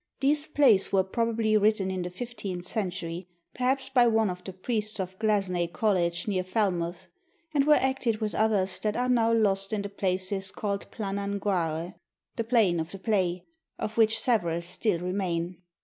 These plays were probably written in the fifteenth century, perhaps by one of the priests of Glazeney College near Falmouth, and were acted with others that are now lost in the places called Planan Guare (the Plain of the Play), of which several still remain.